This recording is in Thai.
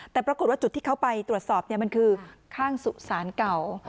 แต่ปรากฏว่าจุดที่เขาไปตรวจสอบมันคือข้างสุสานเก่า